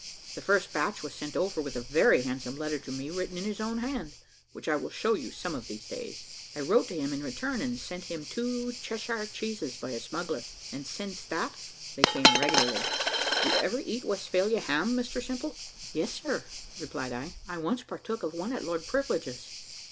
The first batch was sent over with a very handsome letter to me, written in his own hand, which I will show you some of these days. I wrote to him in return, and sent to him two Cheshire cheeses by a smuggler, and since that they came regularly. Did you ever eat Westphalia ham, Mr Simple?" "Yes, sir," replied I: "once I partook of one at Lord Privilege's."